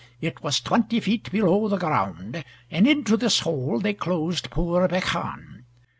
It was twenty feet below the ground, and into this hole they closed poor Beichan.